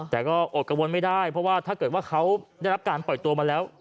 โดยที่ไม่ได้เพราะว่าถ้าเขาก็ได้รับการปล่อยตัวมาแล้ว